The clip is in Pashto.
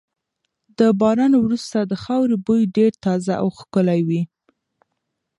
د باران وروسته د خاورې بوی ډېر تازه او ښکلی وي.